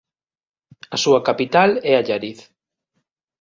A súa capital é Allariz.